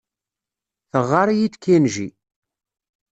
Teɣɣar-iyi-d Kenji.